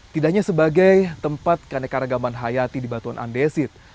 tidak hanya sebagai tempat keanekaragaman hayati di batuan andesit